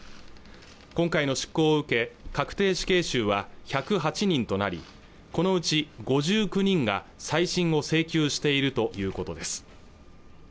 今回の執行を受け確定死刑囚は１０８人となりこのうち５９人が再審を請求しているということです